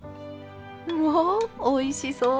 わあおいしそう！